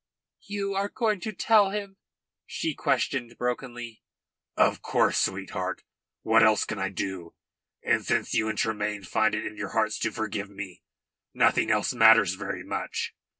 "You are going to tell him?" she questioned brokenly. "Of course, sweetheart. What else can I do? And since you and Tremayne find it in your hearts to forgive me, nothing else matters very much."